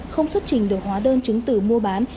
không xuất trình được hóa đơn chứng tử mua bán